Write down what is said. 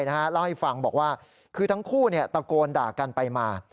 เล่าให้ฟังบอกว่าคือทั้งคู่ตะโกนด่ากันไปมา